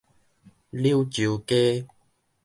柳州街